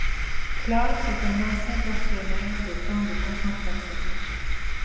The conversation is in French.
Klaus est un ancien tortionnaire de camp de concentration.